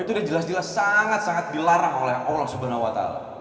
itu sudah jelas jelas sangat sangat dilarang oleh allah swt